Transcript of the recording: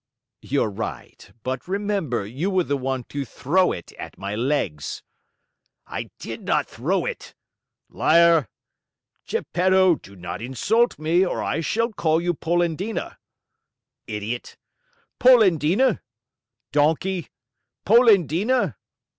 "You're right; but remember you were the one to throw it at my legs." "I did not throw it!" "Liar!" "Geppetto, do not insult me or I shall call you Polendina." "Idiot." "Polendina!" "Donkey!" "Polendina!"